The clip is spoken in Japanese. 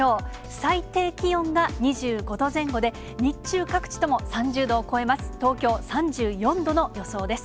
最低気温が２５度前後で、日中各地とも３０度を超えます。